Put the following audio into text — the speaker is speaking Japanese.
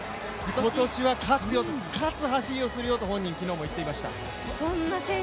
今年は勝つよ、勝つ走りをするよと本人、昨日も言っていました。